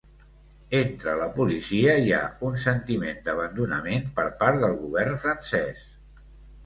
Entre la policia hi ha un sentiment d’abandonament per part del govern francès.